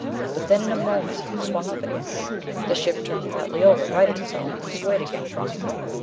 But then in a moment it swung up again. The ship turned partly over. Righted itself. Then swayed again, drunkenly.